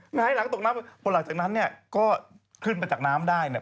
ให้หลังตกน้ำพอหลังจากนั้นเนี่ยก็ขึ้นมาจากน้ำได้เนี่ย